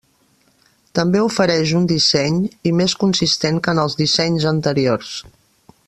També ofereix un disseny i més consistent que en els dissenys anteriors.